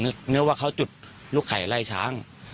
เนื้อว่าเขาจุดลูกไข่ไล่ช้าง